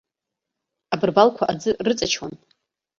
Абырбалқәа аӡы рыҵачуан.